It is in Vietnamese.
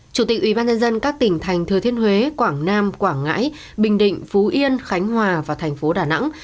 chủ tịch ubnd các tỉnh thành thừa thiên huế quảng nam quảng ngãi bình định phú yên khánh hòa và thành phố đà nẵng